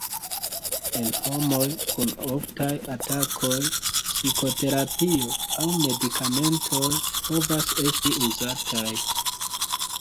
En homoj kun oftaj atakoj, psikoterapio aŭ medikamentoj povas esti uzataj.